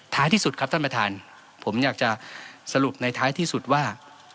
ที่สุดครับท่านประธานผมอยากจะสรุปในท้ายที่สุดว่า